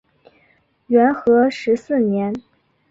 元和十四年。